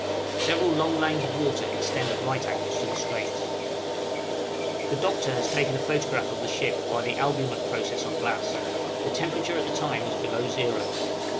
Several long lanes of water extend at right angles to the straits. {REVOLVING STORM.} The Doctor has taken a photograph of the ship by the albumen process on glass; the temperature at the time was below zero.